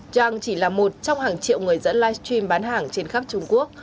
chang chỉ là một trong hàng triệu người dẫn livestream bán hàng trên khắp trung quốc